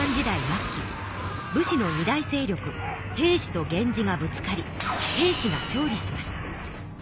末期武士の２大勢力平氏と源氏がぶつかり平氏が勝利します。